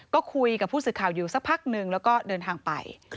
ก็คุยกับผู้สื่อข่าวอยู่สักพักนึงแล้วก็เดินทางไป